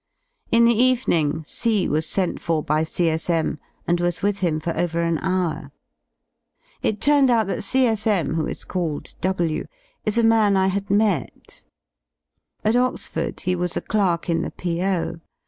In the evening C was sent Tor by C.S.M. and was with him for over an hour. It turned out that C.S.M., who is called W , is a man I had met. At Oxford he was a clerk in the P.O.